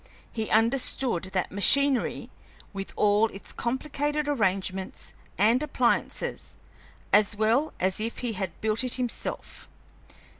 He understood that machinery, with all its complicated arrangements and appliances, as well as if he had built it himself.